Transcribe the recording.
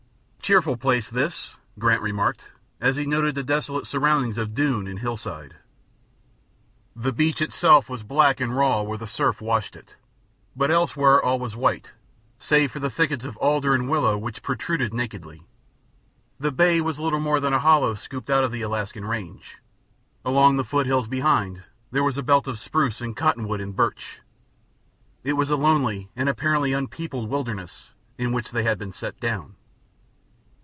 "Cheerful place, this," Grant remarked, as he noted the desolate surroundings of dune and hillside. The beach itself was black and raw where the surf washed it, but elsewhere all was white, save for the thickets of alder and willow which protruded nakedly. The bay was little more than a hollow scooped out of the Alaskan range; along the foothills behind there was a belt of spruce and cottonwood and birch. It was a lonely and apparently unpeopled wilderness in which they had been set down.